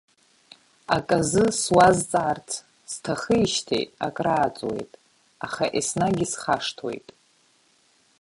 Аказы суазҵаарц сҭахижьҭеи акрааҵуеит, аха еснагь исхашҭуеит.